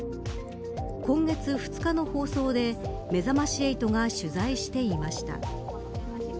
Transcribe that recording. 今月２日の放送でめざまし８が取材していました。